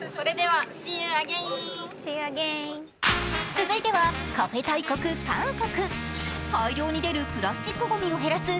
続いてはカフェ大国・韓国。